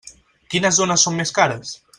Quines zones són més cares?